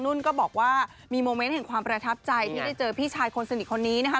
นุ่นก็บอกว่ามีโมเมนต์แห่งความประทับใจที่ได้เจอพี่ชายคนสนิทคนนี้นะคะ